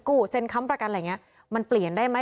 เซ็นค้ำประกันอะไรอย่างนี้มันเปลี่ยนได้ไหม